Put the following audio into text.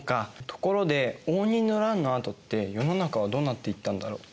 ところで応仁の乱のあとって世の中はどうなっていったんだろう。